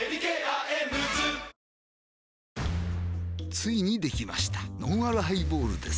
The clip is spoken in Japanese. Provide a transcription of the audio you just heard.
ついにできましたのんあるハイボールです